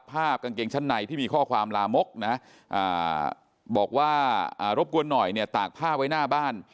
กางเกงชั้นในที่มีข้อความลามกนะบอกว่ารบกวนหน่อยเนี่ยตากผ้าไว้หน้าบ้าน